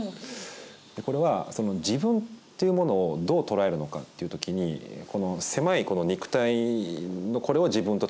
これは自分っていうものをどう捉えるのかっていうときにこの狭い肉体これを自分と捉えるのか